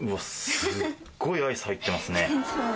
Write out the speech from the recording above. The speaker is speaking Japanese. すっごいアイス入ってますね。